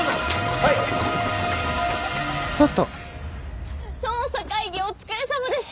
はい！捜査会議お疲れさまです！